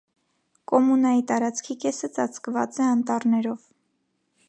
Կոմունայի տարածքի կեսը ծածկված է անտառներով։